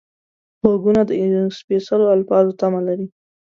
غوږونه د سپېڅلو الفاظو تمه لري